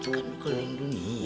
kan lu keliling dunia